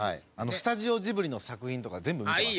スタジオジブリの作品とか全部見てます。